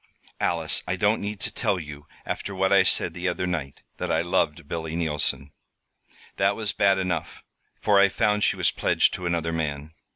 "Alice, I don't need to tell you, after what I said the other night, that I loved Billy Neilson. That was bad enough, for I found she was pledged to another man.